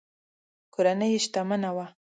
کورنۍ یې شتمنه وه.